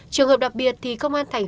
trường hợp đặc biệt thì công an tp hcm